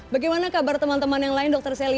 bagaimana kabar teman teman yang lain dr sally